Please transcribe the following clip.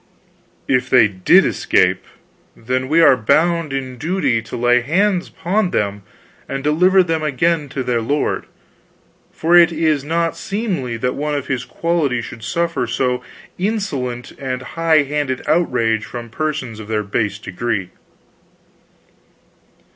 "If they did escape, then are we bound in duty to lay hands upon them and deliver them again to their lord; for it is not seemly that one of his quality should suffer a so insolent and high handed outrage from persons of their base degree."